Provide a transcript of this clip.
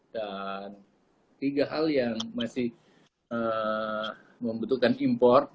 dan tiga hal yang masih membutuhkan import